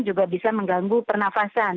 juga bisa mengganggu pernafasan